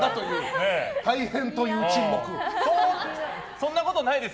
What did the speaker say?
そんなことないです。